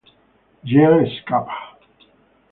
Jean scappa.